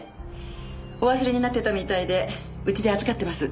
お忘れになってたみたいでうちで預かってます。